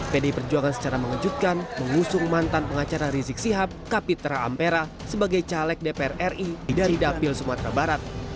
pdi perjuangan secara mengejutkan mengusung mantan pengacara rizik sihab kapitra ampera sebagai caleg dpr ri dari dapil sumatera barat